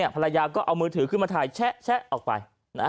ภรรยาก็เอามือถือขึ้นมาถ่ายแชะออกไป